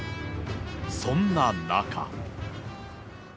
そんな中。